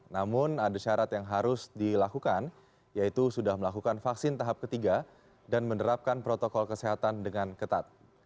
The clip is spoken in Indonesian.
namun ada syarat yang harus dilakukan yaitu sudah melakukan vaksin tahap ketiga dan menerapkan protokol kesehatan dengan ketat